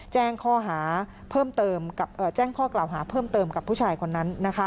แจ้งข้อกล่าวหาเพิ่มเติมกับผู้ชายคนนั้น